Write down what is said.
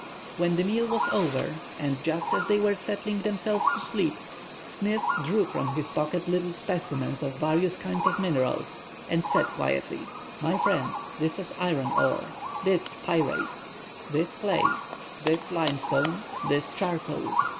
When the meal was over, and just as they were settling themselves to sleep, Smith drew from his pocket little specimens of various kinds of minerals, and said quietly, "My friends, this is iron ore, this pyrites, this clay, this limestone, this charcoal.